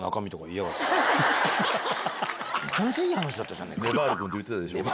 めちゃめちゃいい話だったじゃねえか。